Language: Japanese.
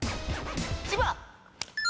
千葉！